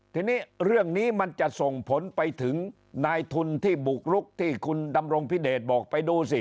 ทีนี้เรื่องนี้มันจะส่งผลไปถึงนายทุนที่บุกรุกที่คุณดำรงพิเดชบอกไปดูสิ